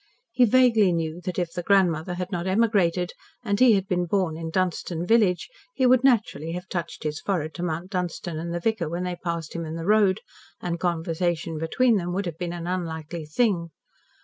He vaguely knew that if the grandmother had not emigrated, and he had been born in Dunstan village, he would naturally have touched his forehead to Mount Dunstan and the vicar when they passed him in the road, and conversation between them would have been an unlikely thing.